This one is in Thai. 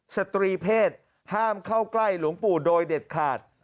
สตรีเพศห้ามเข้าใกล้หลวงปู่โดยเด็ดขาด